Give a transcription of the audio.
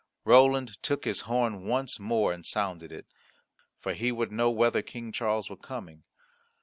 Roland took his horn once more and sounded it, for he would know whether King Charles were coming.